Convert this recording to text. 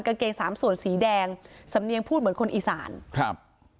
กางเกงสามส่วนสีแดงสำเนียงพูดเหมือนคนอีสานครับ